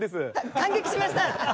感激しました！